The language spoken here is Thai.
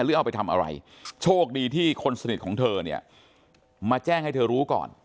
หรือเอาไปทำอะไรโชคดีที่คนสนิทของเธอเนี่ยมาแจ้งให้เธอรู้ก่อน